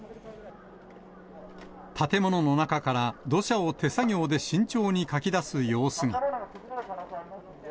建物の中から土石を手作業で慎重にかき出す様子が。